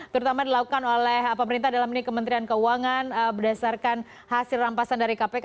terutama dilakukan oleh pemerintah dalam ini kementerian keuangan berdasarkan hasil rampasan dari kpk